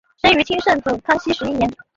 生于清圣祖康熙十一年。